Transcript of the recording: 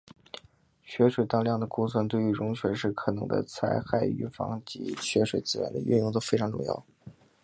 雪水当量的估算对于融雪时可能的灾害预防以及雪水资源的运用都十分重要。